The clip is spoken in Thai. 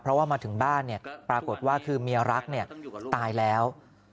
เพราะว่ามาถึงบ้านปรากฏว่าคือเมียรักตายแล้ว